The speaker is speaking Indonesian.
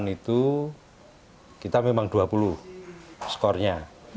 sembilan puluh delapan itu kita memang dua puluh skornya